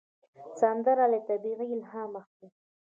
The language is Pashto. سندره له طبیعت الهام اخلي